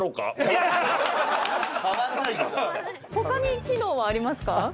他に機能はありますか？